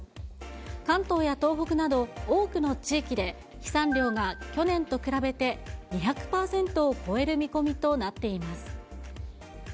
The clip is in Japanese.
関東や東北など多くの地域で飛散量が去年と比べて２００％を超える見込みとなっています。